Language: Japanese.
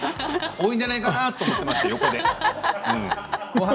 多いんじゃないかなと思っていました横で。